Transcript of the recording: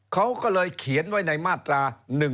เขาก็เลยเขียนไว้ในมาตรา๑๑๒